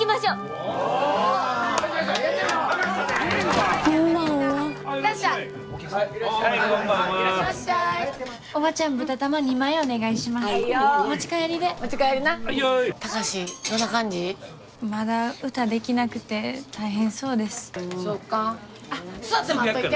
あっ座って待っといて。